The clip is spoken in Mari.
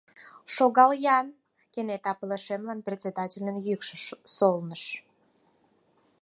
Шогал-ян! — кенета пылышемлан председательын йӱкшӧ солныш.